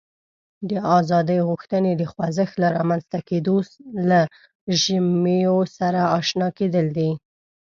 د ازادي غوښتنې د خوځښت له رامنځته کېدو له ژمینو سره آشنا کېدل دي.